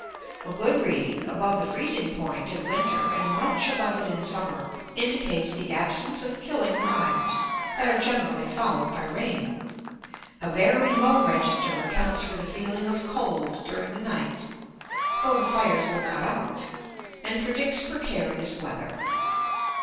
A good reading, above the freezing point in winter and much above it in summer, indicates the absence of killing rimes, that are generally followed by rain. A very low register accounts for the feeling of cold during the night, though the fires were not out; and predicts precarious weather.